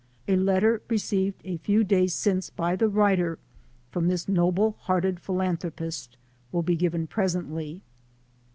A letter received a few days since by the writer, from this noble hearted philanthropist, will be given presently.